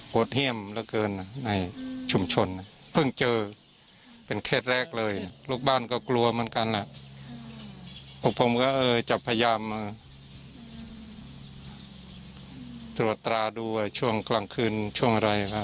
ผมก็จะพยายามตรวจตราดูช่วงกลางคืนช่วงอะไร